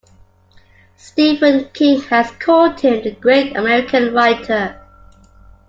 Stephen King has called him the great American writer.